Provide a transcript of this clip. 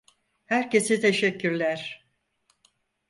Herkese teşekkürler.